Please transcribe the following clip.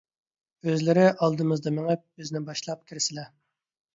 ئۆزلىرى ئالدىمىزدا مېڭىپ بىزنى باشلاپ كىرىسلە.